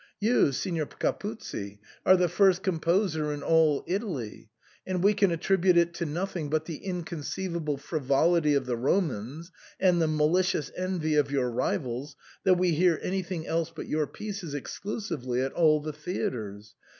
You, Signor Capuzzi, are the first composer in all Italy ; and we can attribute it to nothing but the inconceivable frivolity of the Romans and the malicious envy of your rivals that we hear anything else but your pie(5es ex clusively at all the theatres.